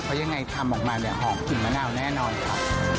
เพราะยังไงทำออกมาเนี่ยหอมกลิ่นมะนาวแน่นอนครับ